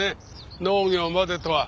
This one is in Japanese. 農業までとは。